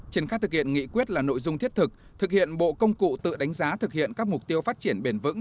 triển khai thực hiện nghị quyết là nội dung thiết thực thực hiện bộ công cụ tự đánh giá thực hiện các mục tiêu phát triển bền vững